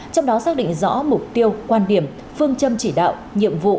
trong đó xác định rõ mục tiêu quan điểm phương châm chỉ đạo nhiệm vụ